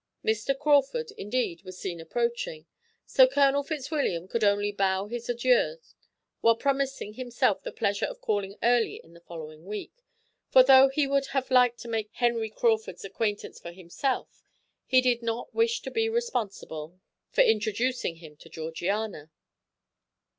Mr. Crawford, indeed, was seen approaching, so Colonel Fitzwilliam could only bow his adieux, while promising himself the pleasure of calling early in the following week, for though he would have liked to make Henry Crawford's acquaintance for himself, he did not wish to be responsible for introducing him to Georgiana.